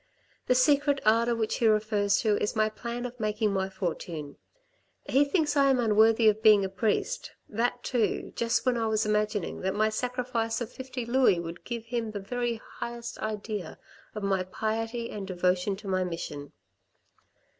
The secret ardour which he refers to is my plan of making my fortune. He thinks I am unworthy of being a priest, that too, just when I was imagining that my sacrifice of fifty louis would give him the very highest idea of my piety and devotion to my mission."